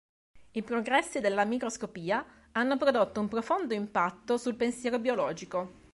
I progressi nella microscopia hanno prodotto un profondo impatto sul pensiero biologico.